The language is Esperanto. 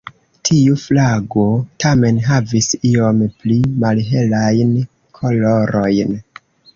Tiu flago tamen havis iom pli malhelajn kolorojn.